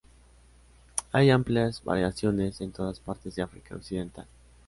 Hay amplias variaciones en todas partes de África Occidental.